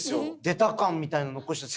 出た感みたいなの残して。